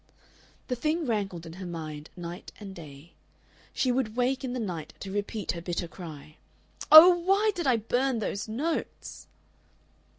The thing rankled in her mind night and day. She would wake in the night to repeat her bitter cry: "Oh, why did I burn those notes?"